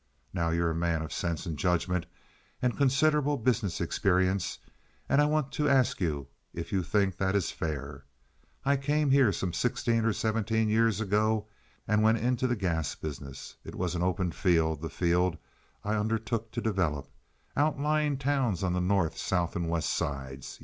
Now you're a man of sense and judgment and considerable business experience, and I want to ask you if you think that is fair. I came here some sixteen or seventeen years ago and went into the gas business. It was an open field, the field I undertook to develop—outlying towns on the North, South, and West sides.